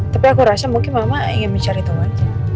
tapi aku rasa mungkin mama ingin mencari tahu aja